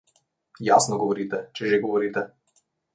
Jasno govorite, če že govorite.